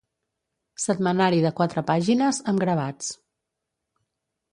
Setmanari de quatre pàgines, amb gravats.